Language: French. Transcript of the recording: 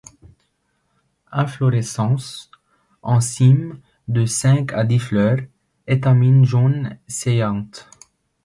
Inflorescence en cyme de cinq à dix fleurs, étamines jaunes saillantes.